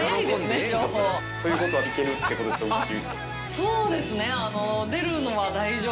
そうですね。